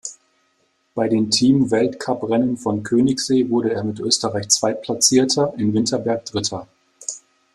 Bei den Team-Weltcuprennen von Königssee wurde er mit Österreich Zweitplatzierter, in Winterberg Dritter.